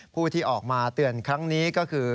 ผู้ที่ออกมาเตือนครั้งนี้ก็คือ